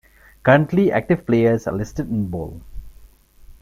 Currently active players are listed in bold.